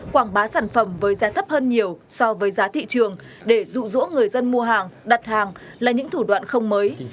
quảng bá sản phẩm với giá thấp hơn nhiều so với giá thị trường để rụ rỗ người dân mua hàng đặt hàng là những thủ đoạn không mới